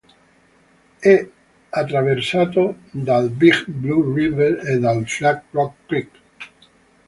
È attraversato dal Big Blue River e dal Flat Rock Creek.